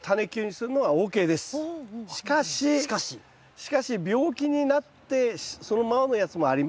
しかし病気になってそのままのやつもあります。